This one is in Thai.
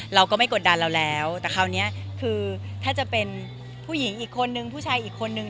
เราก็ไม่กดดันเราแล้วแต่คราวนี้คือถ้าจะเป็นผู้หญิงอีกคนนึงผู้ชายอีกคนนึง